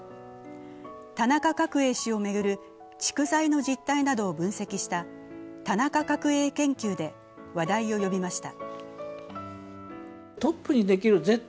田中角栄氏を巡る蓄財の実態などを分析した「田中角栄研究」で話題を呼びました。